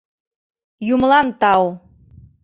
— Юмылан тау.